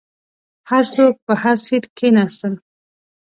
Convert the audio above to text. هر څوک په هر سیټ کښیناستل.